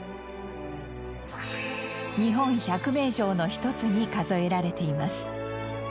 日本百名城の一つに数えられています。